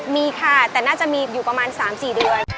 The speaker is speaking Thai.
มีค่ะแต่น่าจะมีอยู่ประมาณ๓๔เดือน